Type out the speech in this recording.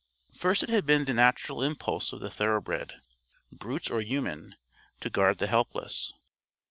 First it had been the natural impulse of the thoroughbred brute or human to guard the helpless.